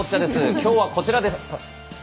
きょうはこちらです。